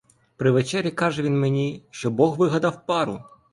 При вечері каже він мені, що бог вигадав пару!